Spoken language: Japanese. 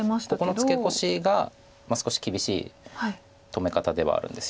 ここのツケコシが少し厳しい止め方ではあるんですよね。